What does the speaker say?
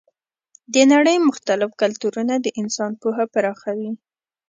د نړۍ مختلف کلتورونه د انسان پوهه پراخوي.